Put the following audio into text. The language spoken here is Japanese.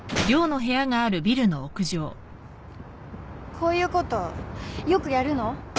こういうことよくやるの？